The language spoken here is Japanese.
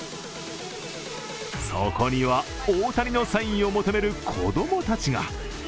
そこには大谷のサインを求める子供たちが。